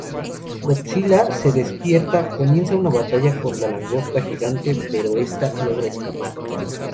Godzilla se despierta, comienza una batalla con la langosta gigante pero esta logra escapar.